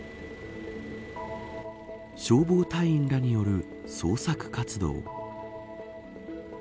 消防隊員らによる捜索活動。